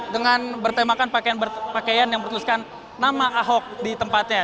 dengan bertemakan pakaian yang bertuliskan nama ahok di tempatnya